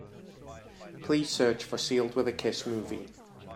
Please search for Sealed with a Kiss movie.